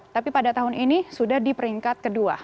tapi pada tahun ini sudah di peringkat kedua